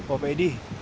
oh p edi